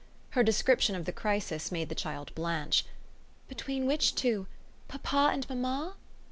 Her description of the crisis made the child blanch. "Between which two? papa and mamma?"